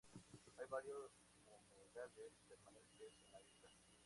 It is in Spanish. Hay varios humedales permanentes en la isla.